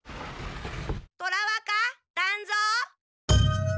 虎若団蔵？